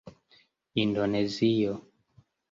indonezio